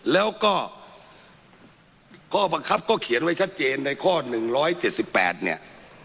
แล้วก็ข้อบังคับก็เขียนไว้ชัดเจนในข้อ๑๗๘เนี่ย